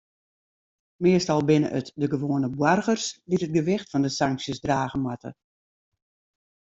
Meastal binne it de gewoane boargers dy't it gewicht fan de sanksjes drage moatte.